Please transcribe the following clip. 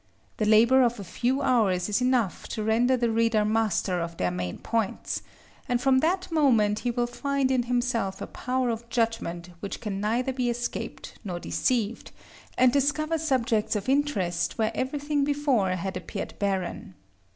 The labor of a few hours is enough to render the reader master of their main points; and from that moment he will find in himself a power of judgment which can neither be escaped nor deceived, and discover subjects of interest where everything before had appeared barren.